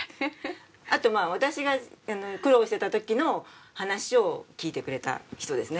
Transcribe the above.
あとまあ私が苦労してた時の話を聞いてくれた人ですね